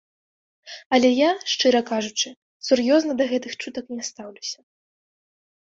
Але я, шчыра кажучы, сур'ёзна да гэтых чутак не стаўлюся.